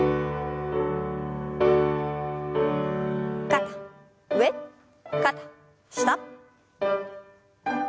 肩上肩下。